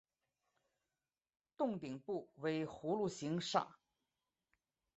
幢顶部为葫芦形刹。